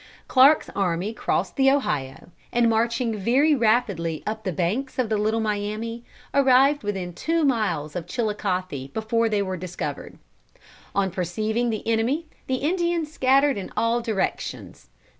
Clarke's army crossed the Ohio, and marching very rapidly up the banks of the Little Miami, arrived within two miles of Chilicothe before they were discovered. On perceiving the enemy the Indians scattered in all directions.